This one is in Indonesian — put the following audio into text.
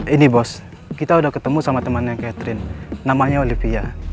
ini bos kita udah ketemu sama temannya catherine namanya olivia